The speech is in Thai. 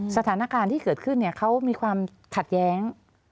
สถานการณ์ที่เกิดขึ้นเขามีความขัดแย้ง